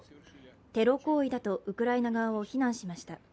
テロ行為だとウクライナ側を非難しました。